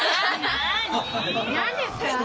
何ですか？